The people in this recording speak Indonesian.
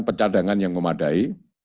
percadangan yang memadai